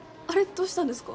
どうしたんですか？